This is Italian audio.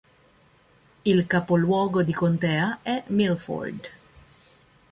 Il capoluogo di contea è Milford.